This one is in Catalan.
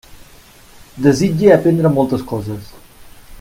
Desitge aprendre moltes coses.